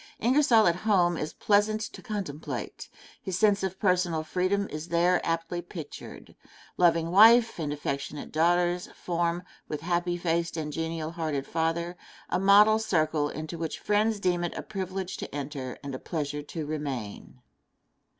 Ingersoll at home is pleasant to contemplate. His sense of personal freedom is there aptly pictured. Loving wife and affectionate daughters form, with happy faced and genial hearted father, a model circle into which friends deem it a privilege to enter and a pleasure to remain.